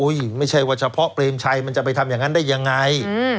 ไม่ใช่ว่าเฉพาะเปรมชัยมันจะไปทำอย่างนั้นได้ยังไง